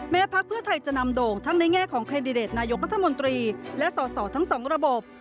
พักเพื่อไทยจะนำโด่งทั้งในแง่ของแคนดิเดตนายกรัฐมนตรีและสอสอทั้งสองระบบ